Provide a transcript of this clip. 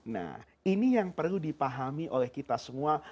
nah ini yang perlu dipahami oleh kita semua